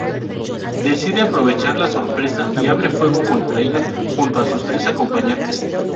Decide aprovechar la sorpresa y abre fuego contra ellos junto a sus tres acompañantes.